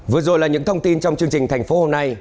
vừa rồi là những thông tin trong chương trình thành phố hôm nay